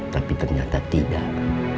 tapi ternyata tidak